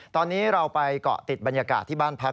ตอนนี้เราไปเกาะติดบรรยากาศที่บ้านพัก